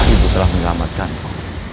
ibu telah menyelamatkanmu